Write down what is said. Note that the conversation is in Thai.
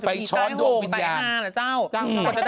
ไปช้อนดวงวิญญาณไต้ห่งไต้หาเหรอเจ้า